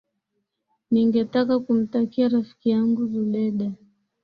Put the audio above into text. ningetaka kumtakia rafiki yangu zubeda